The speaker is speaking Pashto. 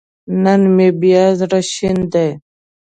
نن مې بيا زړه شين دی